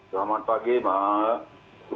selamat pagi mak